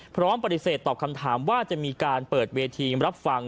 พร้อมปฏิเสธตอบคำถามว่าจะมีการเปิดเวทีรับฟัง